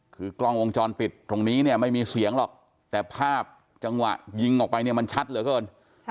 คือกล้องวงจรปิดตรงนี้เนี่ยไม่มีเสียงหรอกแต่ภาพจังหวะยิงออกไปเนี่ยมันชัดเหลือเกิน